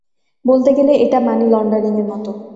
বলতে গেলে, এটা মানি লন্ডারিং মত।